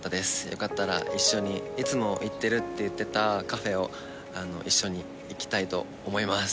よかったら一緒にいつも行ってるって言ってたカフェを一緒に行きたいと思います。